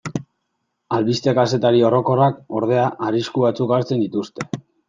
Albiste-kazetari orokorrak, ordea, arrisku batzuk hartzen dituzte.